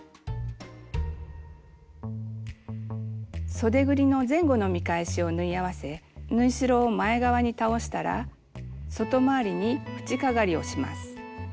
そでぐりの前後の見返しを縫い合わせ縫い代を前側に倒したら外回りに縁かがりをします。